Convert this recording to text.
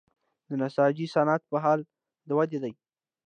د نساجي صنعت په حال د ودې دی